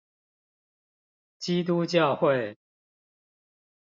基督教會